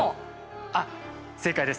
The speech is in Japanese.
あっ正解です。